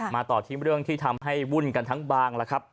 มาต่อที่เรื่องที่ทำให้วุ่นกันทั้งบางแล้วครับ